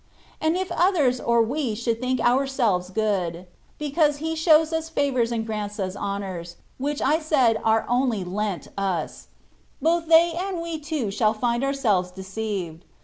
And if others or we should think ourselves good, because He shows us favours and grants us honours, which I said are only lent us, both they and we too shall find ourselves deceived.